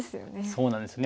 そうなんですよね。